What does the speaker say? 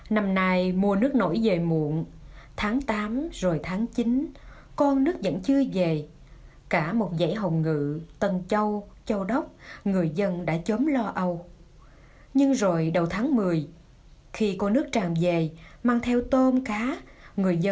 năm nay cánh đồng ngập lũ xã xà đách quyện xà đách tỉnh prey ven của nước bạn campuchia